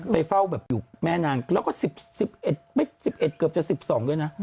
ไปเฝ้าแบบอยู่แม่นางแล้วก็๑๑เกือบจะ๑๒ด้วยนะ